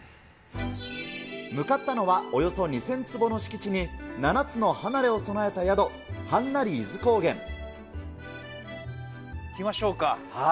向かったのは、およそ２０００坪の敷地に、７つの離れを備えた宿、行きましょうか。